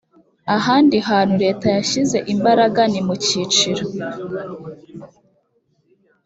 ahandi hantu leta yashyize imbaraga ni mu kiciro